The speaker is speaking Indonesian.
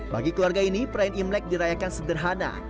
bagi keluarga ini perayaan imlek dirayakan sederhana